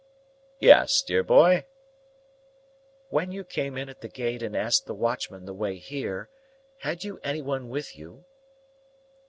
"Yes, dear boy?" "When you came in at the gate and asked the watchman the way here, had you any one with you?"